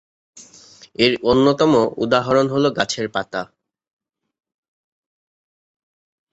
এর অন্যতম উদাহরণ হল গাছের পাতা।